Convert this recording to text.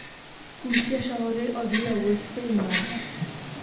কুষ্টিয়া শহরের অদূরে অবস্থিত এই মাজার।